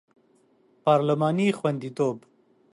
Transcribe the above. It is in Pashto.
پارلماني خوندیتوب